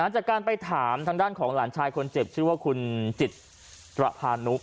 จากการไปถามทางด้านของหลานชายคนเจ็บชื่อว่าคุณจิตประพานุ